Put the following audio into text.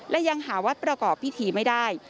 และยังหาวัดประกอบพิธีไม่ได้